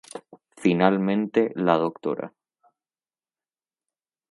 Finalmente la Dra.